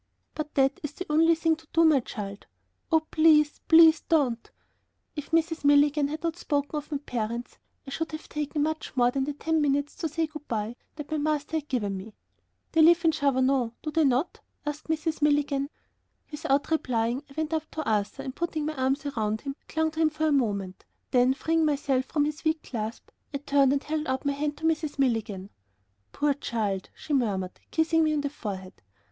"But that is the only thing to do, my child." "Oh, please, please don't." If Mrs. Milligan had not spoken of my parents, I should have taken much more than the ten minutes to say good by that my master had given me. "They live in Chavanon, do they not?" asked Mrs. Milligan. Without replying, I went up to Arthur and, putting my arms round him, clung to him for a moment then, freeing myself from his weak clasp, I turned and held out my hand to Mrs. Milligan. "Poor child," she murmured, kissing me on the forehead.